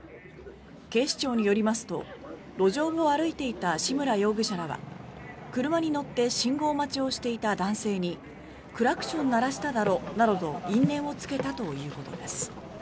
警視庁によりますと路上を歩いていた志村容疑者らは車に乗って信号待ちをしていた男性にクラクション鳴らしただろなどと因縁をつけたということです。